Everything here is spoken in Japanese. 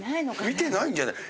見てないんじゃない？